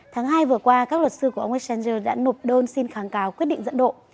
tháng hai vừa qua các luật sư của ông exchanger đã nộp đơn xin kháng cáo quyết định dẫn độ